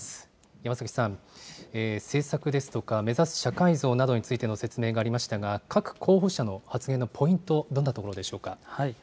山崎さん、政策ですとか、目指す社会像などについての説明がありましたが、各候補者の発言のポイント、どんなところでしょうか。